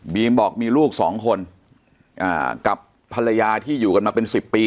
บอกมีลูกสองคนกับภรรยาที่อยู่กันมาเป็น๑๐ปี